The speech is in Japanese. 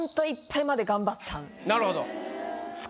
なるほど。